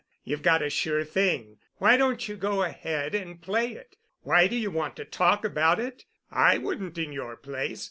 You've got a sure thing. Why don't you go ahead and play it. Why do you want to talk about it? I wouldn't in your place.